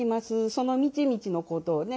その道々のことをね